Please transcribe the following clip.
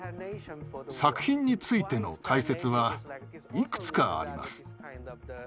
作品についての解説はいくつかあります。